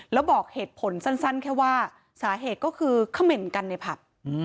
แล้วบอกเหตุผลสั้นแค่ว่าสาเหตุก็คือเขม่นกันในผับ